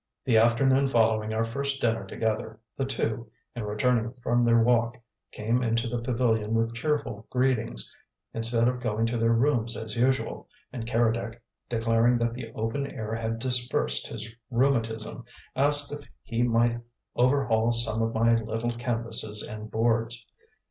The afternoon following our first dinner together, the two, in returning from their walk, came into the pavilion with cheerful greetings, instead of going to their rooms as usual, and Keredec, declaring that the open air had "dispersed" his rheumatism, asked if he might overhaul some of my little canvases and boards.